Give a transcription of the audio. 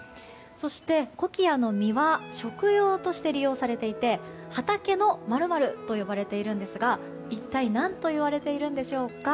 そして、コキアの実は食用として利用されていて畑の○○と呼ばれているんですが一体何といわれているんでしょうか。